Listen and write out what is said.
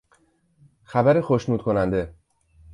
خبر خشنود کننده